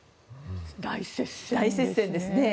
大接戦ですよね。